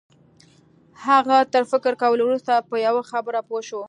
هغه تر فکر کولو وروسته په یوه خبره پوه شو